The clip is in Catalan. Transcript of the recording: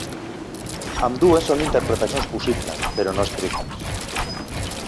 Ambdues són interpretacions possibles, però no estrictes.